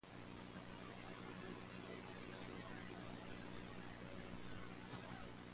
It is the wrestling equivalent to the Heisman Trophy.